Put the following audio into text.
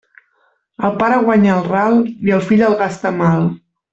El pare guanya el ral i el fill el gasta mal.